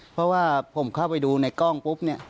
เพราะว่าผมเข้าไปดูในกล้องปุ๊บเนี่ย